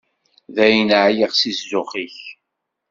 Dayen, ɛyiɣ si zzux-ik.